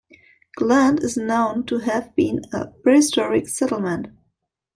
Gland is known to have been a prehistoric settlement.